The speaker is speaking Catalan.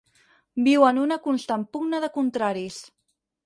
Viu en una constant pugna de contraris.